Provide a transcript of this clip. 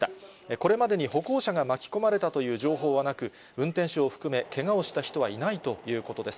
これまでに歩行者が巻き込まれたという情報はなく、運転手を含め、けがをした人はいないということです。